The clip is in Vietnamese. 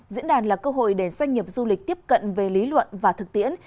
diễn đàn là cơ hội để doanh nghiệp du lịch tiếp cận về lý luận và thực tiễn